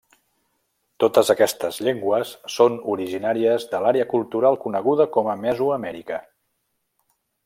Totes aquestes llengües són originàries de l'àrea cultural coneguda com a Mesoamèrica.